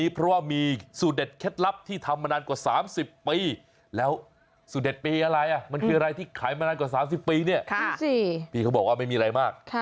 พี่เขาบอกว่าไม่มีอะไรมาก